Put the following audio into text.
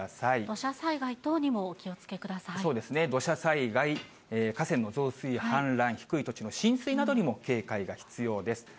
土砂災害等にもお気をつけくそうですね、土砂災害、河川の増水、氾濫、低い土地の浸水などにも警戒が必要です。